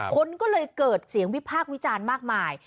คนก็เลยเกิดเสียงวิพากษ์วิจารณ์มากมาย